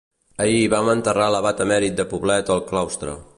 Ahir van enterrar l'abat emèrit de Poblet al claustre.